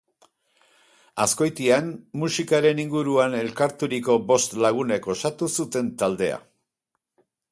Azkoitian musikaren inguruan elkarturiko bost lagunek osatu zuten taldea.